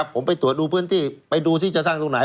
ผมไปตรวจดูพื้นที่ไปดูที่จะสร้างตรงไหน